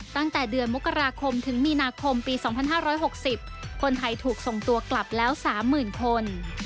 ตั้งแต่เดือนมกราคมถึงมีนาคมปี๒๕๖๐คนไทยถูกส่งตัวกลับแล้ว๓๐๐๐คน